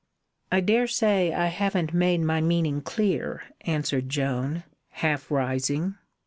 "I dare say I haven't made my meaning clear," answered Joan, half rising.